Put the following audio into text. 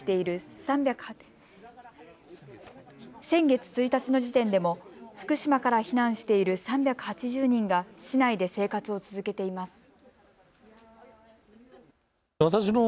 先月１日の時点でも福島から避難している３８０人が市内で生活を続けています。